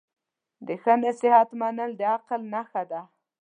د ښه نصیحت منل د عقل نښه ده.